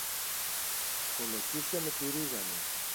Κολοκύθια με τη ρίγανη!